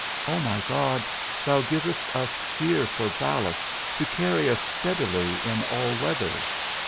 O my God, thou givest us fear for ballast to carry us steadily in all weathers.